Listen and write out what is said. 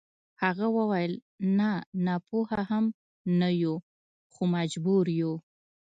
هغې وويل نه ناپوهه هم نه يو خو مجبور يو.